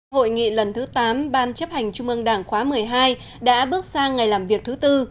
hội nghị lần thứ tám ban chấp hành trung ương đảng khóa một mươi hai đã bước sang ngày làm việc thứ tư